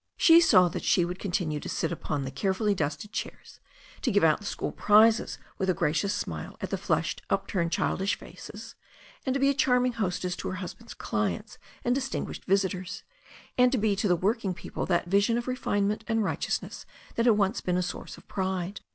She saw that she would continue to sit upon the carefully dusted chairs, to give out the school prizes with a gracious smile at the flushed, upturned childish faces, to be a charm ing hostess to her husband's clients and distinguished visi tors, and to be to the working people that vision af refine ment and righteousness that had once been a source of pride.